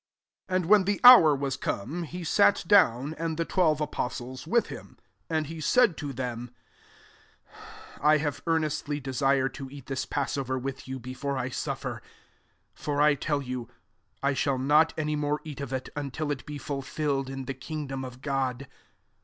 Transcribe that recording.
14 And when the hour was come, he sat down, and the twelve apostles with him. 15 And he said to them, " I have earnestly desired to eat this passover with you before I suf fer : 16 for I tell yoH, I shall not any more eat of it, until it be fulfilled in the kingdom of God."